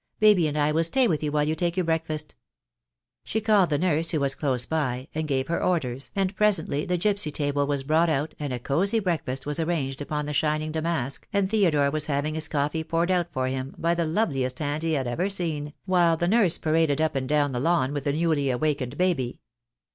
Baby and I will stay with you while you take your breakfast." She called the nurse, who was close by, and gave her orders, and presently the gipsy table was brought out, and a cosy breakfast was arranged upon the shining damask, and Theodore was having his coffee poured out 204 THE DAY WILL CO^EE. for him by the loveliest hands he had ever seen, while the nurse paraded up and down the lawn with the newly awakened baby.